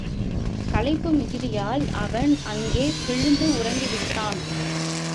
களைப்பு மிகுதியால் அவன்.அங்கே விழுந்து உறங்கிவிட்டான்.